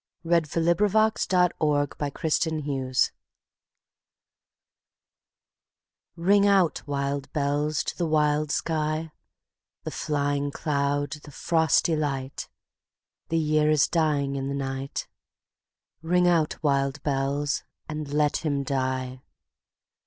Alfred, Lord Tennyson Ring Out, Wild Bells RING out, wild bells, to the wild sky, The flying cloud, the frosty light; The year is dying in the night; Ring out, wild bells, and let him die.